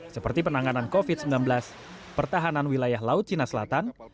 seperti penanganan covid sembilan belas pertahanan wilayah laut cina selatan